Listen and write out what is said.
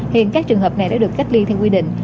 hiện các trường hợp này đã được cách ly theo quy định